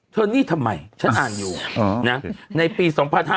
นี่ทำไมฉันอ่านอยู่ในปี๒๕๕๙